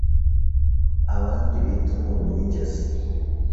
abandi bita umunyu w’ingezi,